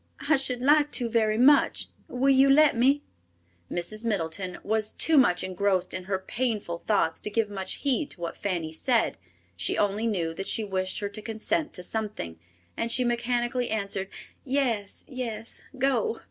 I should like to very much. Will you let me?" Mrs. Middleton was too much engrossed in her painful thoughts to give much heed to what Fanny said. She only knew that she wished her to consent to something, and she mechanically answered, "Yes, yes, go."